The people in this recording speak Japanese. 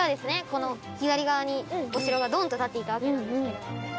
この左側にお城がドンと建っていたわけなんですけども。